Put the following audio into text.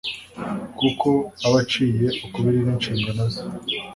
kuko aba aciye ukubiri n'inshingano ze.